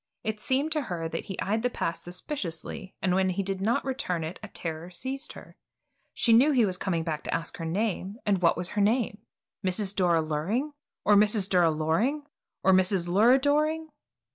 It seemed to her that he eyed the pass suspiciously and when he did not return it a terror seized her. She knew he was coming back to ask her name, and what was her name? Mrs. Dora Luring, or Mrs. Dura Loring, or Mrs. Lura Doring?